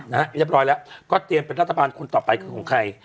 เรียบร้อยแล้วก็เตรียมเป็นรัฐบาลคนต่อไปคือของใคร